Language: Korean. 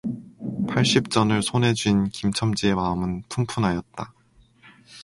팔십 전을 손에 쥔 김 첨지의 마음은 푼푼하였다.